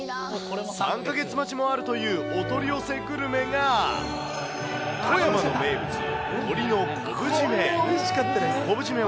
３か月待ちもあるというお取り寄せグルメが、富山の名物、鶏の昆布締め。